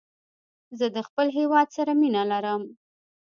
زه د خپل هېواد سره مینه لرم.